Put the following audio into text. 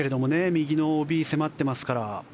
右のＯＢ迫っていますから。